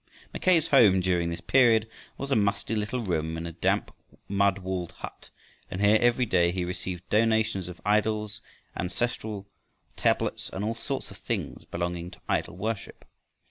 Mackay's home during this period was a musty little room in a damp mud walled hut; and here every day he received donations of idols, ancestral tablets, and all sorts of things belonging to idol worship.